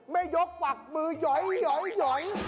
ไหมยกขวักมือยอย